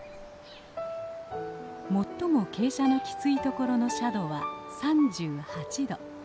最も傾斜のきついところの斜度は３８度。